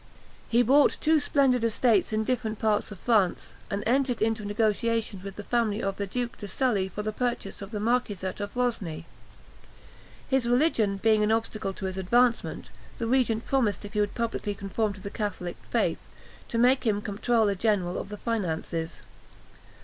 He bought two splendid estates in different parts of France, and entered into a negotiation with the family of the Duke de Sully for the purchase of the marquisate of Rosny. His religion being an obstacle to his advancement, the regent promised, if he would publicly conform to the Catholic faith, to make him comptroller general of the finances.